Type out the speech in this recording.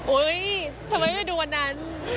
ทำไมไม่ดูวันนั้น